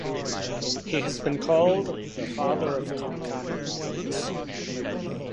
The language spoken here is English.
He has been called "the father of Konkani novels".